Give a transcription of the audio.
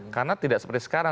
karena tidak seperti sekarang